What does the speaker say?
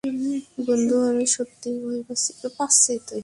বন্ধু, আমি সত্যিই ভয় পাচ্ছি।